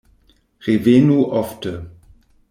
Revenu ofte!